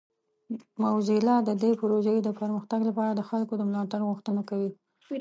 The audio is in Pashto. موزیلا د دې پروژې د پرمختګ لپاره د خلکو د ملاتړ غوښتنه کوي.